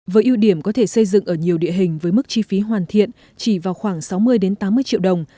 với ưu điểm có thể xây dựng ở nhiều địa hình với mức chi phí hoàn thiện chỉ vào khoảng sáu mươi tám mươi triệu đồng